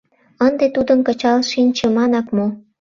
Ынде тудым кычал шинчыманак мо?